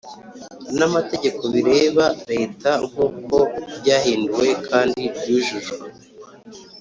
n amategeko bireba Leta nk uko ryahinduwe kandi ryujujwe